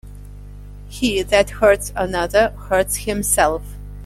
He that hurts another, hurts himself.